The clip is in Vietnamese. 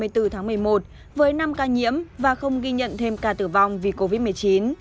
từ tháng một mươi một với năm ca nhiễm và không ghi nhận thêm ca tử vong vì covid một mươi chín